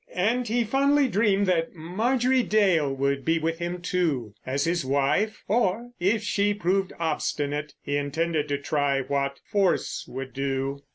And he fondly dreamed that Marjorie Dale would be with him, too. As his wife—or, if she proved obstinate, he intended to try what force would do.